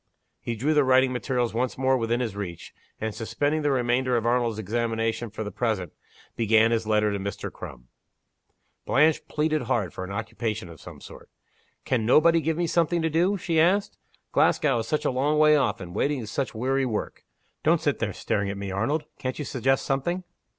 He drew the writing materials once more with in his reach, and, suspending the remainder of Arnold's examination for the present, began his letter to Mr. Crum. Blanche pleaded hard for an occupation of some sort. "Can nobody give me something to do?" she asked. "Glasgow is such a long way off, and waiting is such weary work. Don't sit there staring at me, Arnold! Can't you suggest something?"